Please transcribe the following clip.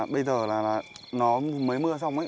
bây giờ là nó mới mưa xong ý